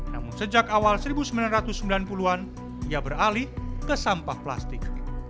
namun sejak awal seribu sembilan ratus sembilan puluh an ia beralih ke sampah plastik